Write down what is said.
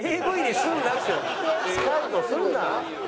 スカウトすんな！